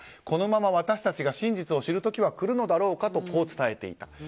このまま私たちが真実を知る時は来るのだろうかと伝えていた。